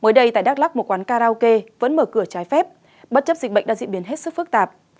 mới đây tại đắk lắc một quán karaoke vẫn mở cửa trái phép bất chấp dịch bệnh đã diễn biến hết sức phức tạp